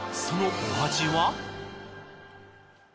そのお味は？